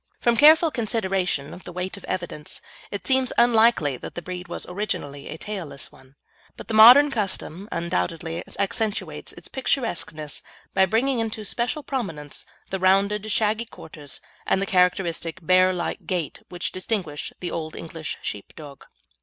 From careful consideration of the weight of evidence, it seems unlikely that the breed was originally a tailless one, but the modern custom undoubtedly accentuates its picturesqueness by bringing into special prominence the rounded shaggy quarters and the characteristic bear like gait which distinguish the Old English Sheepdog.